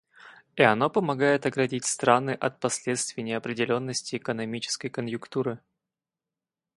И оно помогает оградить страны от последствий неопределенности экономической конъюнктуры.